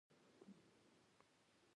د جنت هوا به درباندې ولګېګي.